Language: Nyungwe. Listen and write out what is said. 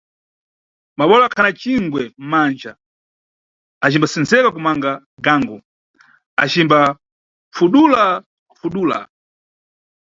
Baba ule akhana cingwe mmanja acimbasenzeka kumanga gango acimbapfudula-pfudula.